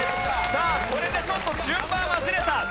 さあこれでちょっと順番はずれた！